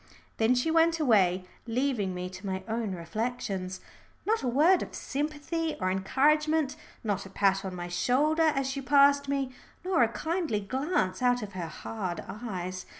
Then she went away, leaving me to my own reflections. Not a word of sympathy or encouragement, not a pat on my shoulder as she passed me, nor a kindly glance out of her hard eyes.